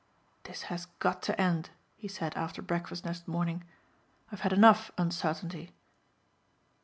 "This has got to end," he said after breakfast next morning, "I've had enough uncertainty."